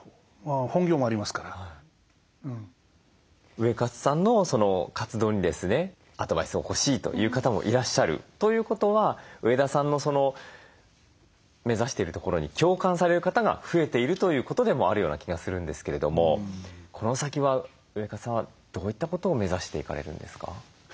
ウエカツさんの活動にですねアドバイスを欲しいという方もいらっしゃるということは上田さんの目指しているところに共感される方が増えているということでもあるような気がするんですけれどもこの先はウエカツさんはどういったことを目指していかれるんですか？